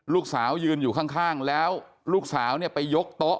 ลูกสาวยืนอยู่ข้างแล้วลูกสาวเนี่ยไปยกโต๊ะ